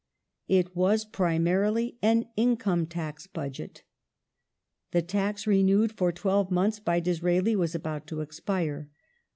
It was, primarily, an Income Tax Budget. The tax renewed for twelve months by Disraeli was about to expire.